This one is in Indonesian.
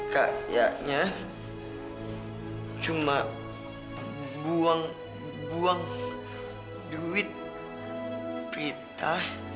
kayaknya cuma buang buang duit prita